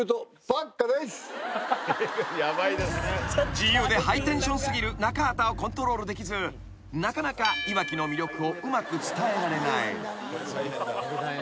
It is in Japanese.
［自由でハイテンション過ぎる中畑をコントロールできずなかなかいわきの魅力をうまく伝えられない］